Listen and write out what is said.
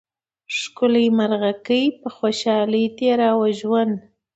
ښکلې مرغکۍ په خوشحالۍ تېراوه ژوند